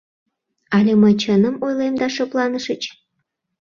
Але мый чыным ойлем да шыпланышыч?